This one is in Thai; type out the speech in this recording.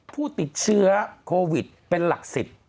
ผู้ติดเชื้อโควิดเป็นหมษ